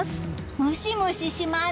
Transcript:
ムシムシします。